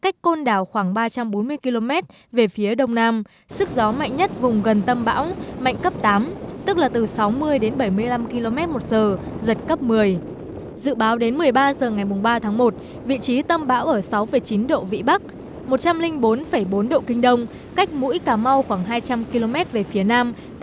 theo dự báo của trung tâm dự báo khí tượng thủy văn trung mương hồi một mươi ba h ngày hai tháng một vị trí tâm bão số một ở vào khoảng sáu một độ vĩ bắc một trăm linh bốn bốn độ kinh đông cách đất liền các tỉnh nam bộ khoảng bốn trăm ba mươi km về phía đồng